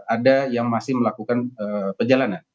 ada yang masih melakukan perjalanan